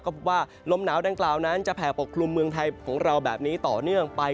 ก็พบว่าลมหนาวดังกล่าวนั้นจะแผ่ปกคลุมเมืองไทยของเราแบบนี้ต่อเนื่องไป